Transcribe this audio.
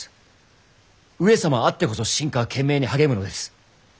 上様あってこそ臣下は懸命に励むのです。